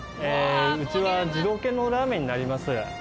うちは二郎系のラーメンになります。